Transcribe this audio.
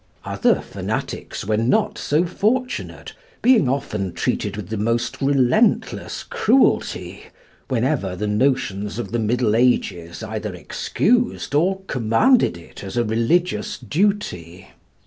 Other fanatics were not so fortunate, being often treated with the most relentless cruelty, whenever the notions of the middle ages either excused or commanded it as a religious duty.